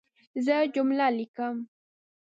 زه جمله لیکم.